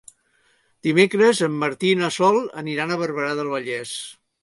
Dimecres en Martí i na Sol aniran a Barberà del Vallès.